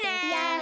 あ！